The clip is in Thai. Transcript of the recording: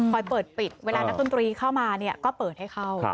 คอยเปิดปิดเวลานักธุรกิจเข้ามาก็เปิดให้เข้า